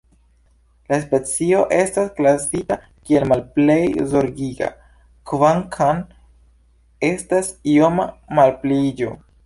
La specio estas klasita kiel Malplej zorgiga, kvankam estas ioma malpliiĝo.